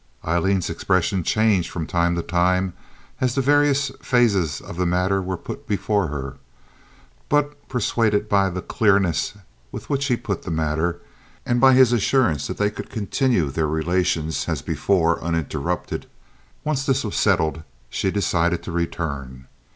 Aileen's expression changed from time to time as the various phases of the matter were put before her; but, persuaded by the clearness with which he put the matter, and by his assurance that they could continue their relations as before uninterrupted, once this was settled, she decided to return.